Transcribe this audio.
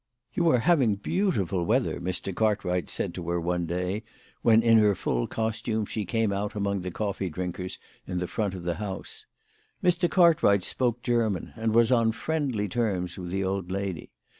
" You are having beautiful weather," Mr. Cartwrighfc said to her one day when in her full costume she came out among the coffee drinkers in the front of the house. Mr. Cart wright spoke German, and was on friendly terms with the old lady.